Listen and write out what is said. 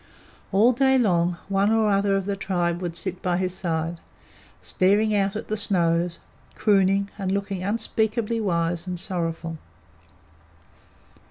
All day long, one or other of the tribe would sit by his side, staring out at the snows, crooning and looking unspeakably wise and sorrowful.